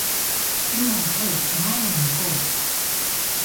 今はただ前を向こう。